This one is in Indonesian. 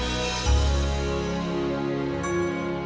seseorang sudah paham